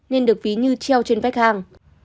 nên được ví như treo trên vách hang